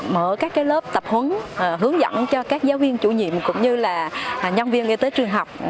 mở các lớp tập huấn hướng dẫn cho các giáo viên chủ nhiệm cũng như là nhân viên y tế trường học